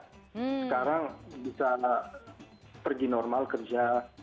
sekarang bisa pergi normal kerja